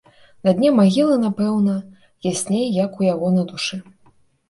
На дне магілы, напэўна, ясней, як у яго на душы.